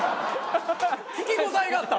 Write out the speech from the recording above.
聞き応えがあった！